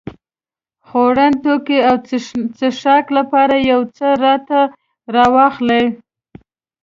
خوړن توکي او څښاک لپاره يو څه راته راواخلې.